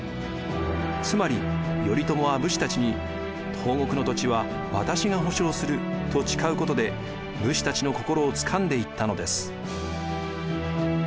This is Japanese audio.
つまり頼朝は武士たちに「東国の土地は私が保証する」と誓うことで武士たちの心をつかんでいったのです。